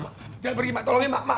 jangan pergi emak tolongin emak